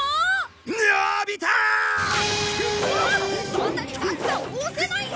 そんなにたくさん押せないよ！